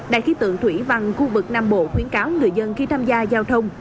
đài khí tượng thủy văn khu vực nam bộ khuyến cáo người dân khi tham gia giao thông